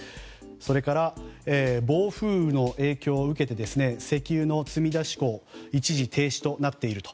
それから暴風雨の影響を受けて石油の積出港一時停止となっていると。